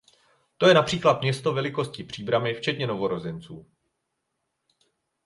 To je například město velikosti Příbrami včetně novorozenců.